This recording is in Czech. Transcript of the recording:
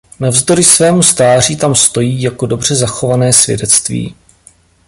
Navzdory svému stáří tam stojí jako dobře zachované svědectví.